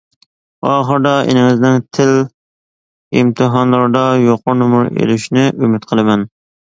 ئاخىرىدا ئىنىڭىزنىڭ تىل ئىمتىھانلىرىدا يۇقىرى نومۇر ئېلىشنى ئۈمىد قىلىمەن.